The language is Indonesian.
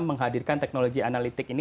menghadirkan teknologi analitik ini